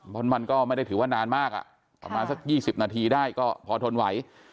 เพราะมันก็ไม่ได้ถือว่านานมากประมาณสัก๒๐นาทีได้ก็พอทนไหว